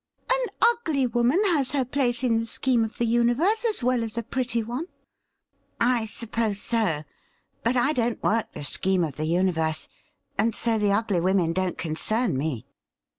' An ugly woman has her place in the scheme of the universe as well as a pretty one.' ' I suppose so ; but I don't work the scheme of the imi verse, and so the ugly women don't concern me.'